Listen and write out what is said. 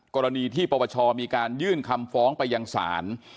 กรณีที่ปปชมีการยื่นคำฟ้องไปยังศาล